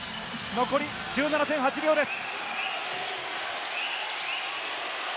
残り１７．８秒です。